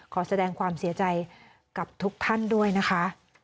ขอแสดงความเสียใจกับทุกท่านด้วยนะคะ